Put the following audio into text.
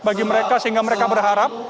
bagi mereka sehingga mereka berharap